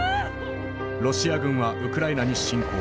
ロシア軍はウクライナに侵攻。